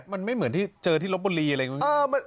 มันไม่เหมือนที่เจอที่ลบบุรีอะไรอย่างนี้